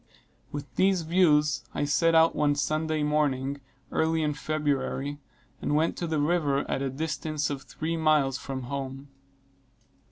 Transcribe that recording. With these views, I set out one Sunday morning, early in February, and went to the river at a distance of three miles from home.